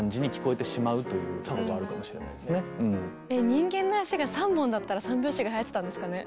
人間の足が３本だったら３拍子がはやってたんですかね。